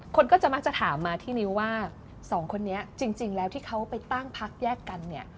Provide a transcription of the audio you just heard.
คนก็จะมักจะถามมาที่นิ้วว่าสองคนนี้จริงแล้วที่เขาไปตั้งพักแยกกันเนี่ย